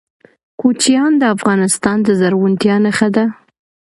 کوچیان د افغانستان د زرغونتیا نښه ده.